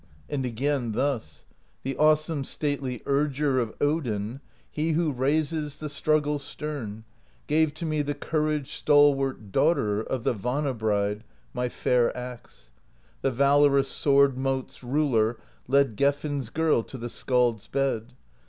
And again thus: The awesome Stately Urger Of Odin, he who raises The struggle stern, gave to me The courage stalwart daughter Of the Vana Bride, my fair axe; The valorous sword mote's Ruler Led Gefn's girl to the Skald's bed.